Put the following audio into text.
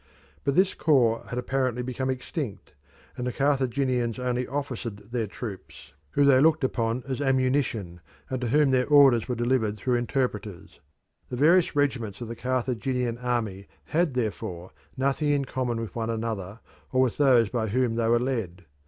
But this corps had apparently become extinct, and the Carthaginians only officered their troops, who they looked upon as ammunition, and to whom their orders were delivered through interpreters. The various regiments of the Carthaginian army had therefore nothing in common with one another or with those by whom they were led.